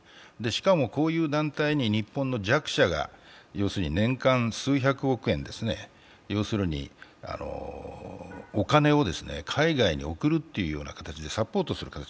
しかも、こういう団体に日本の弱者が年間数百億円、お金を海外に送るという形でサポートする形。